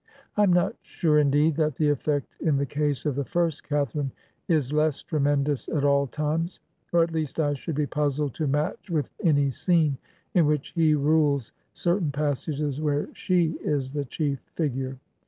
I am not sure indeed that the effect in the case of the first Catharine is less tremendous at all times, or at least I should be puzzled to match with any scene in which he rules certain passages where she is the chief figure.